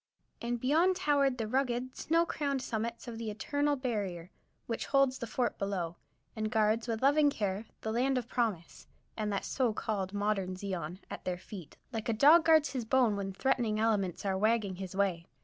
And beyond towered the rugged, snow crowned summits of the "eternal barrier" which holds the fort below, and guards with loving care the "Land of Promise" and that so called "modern Zion" at their feet, like a dog guards his bone when threatening elements are wagging his way.